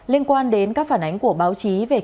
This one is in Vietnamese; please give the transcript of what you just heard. liên quan đến các phản ánh của báo chí về kết quả